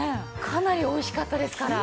かなりおいしかったですから。